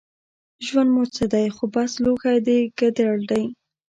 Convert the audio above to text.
ژوند مو څه دی خو بس لوښی د ګنډېر دی